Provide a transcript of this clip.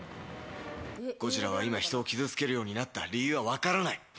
ゴジラは今、人を傷つけるようになった理由はわからない。